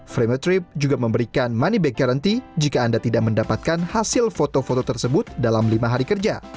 frametrip juga memberikan money back garanti jika anda tidak mendapatkan hasil foto foto tersebut dalam lima hari kerja